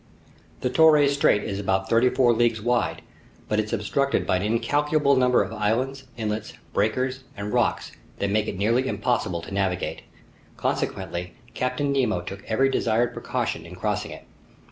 The Torres Strait is about thirty four leagues wide, but it's obstructed by an incalculable number of islands, islets, breakers, and rocks that make it nearly impossible to navigate. Consequently, Captain Nemo took every desired precaution in crossing it.